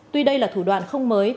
tuy đây là thủ đoạn không mới